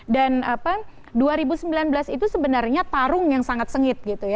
dan dua ribu sembilan belas itu sebenarnya tarung yang sangat sengit